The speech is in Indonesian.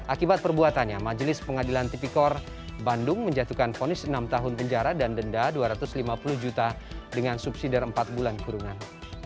akibat perbuatannya majelis pengadilan tipikor bandung menjatuhkan fonis enam tahun penjara dan denda dua ratus lima puluh juta dengan subsidi dari empat bulan kurungan